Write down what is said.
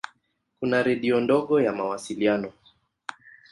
Kuna redio ndogo ya mawasiliano.